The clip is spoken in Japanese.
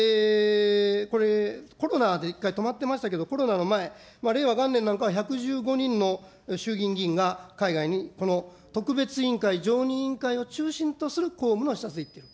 これ、コロナで一回止まってましたけど、コロナの前、令和元年なんかは１１５人の衆議院議員が海外に、この特別委員会、常任委員会を中心とする公務の視察に行ってる。